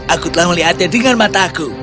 aku telah melihatnya dengan mataku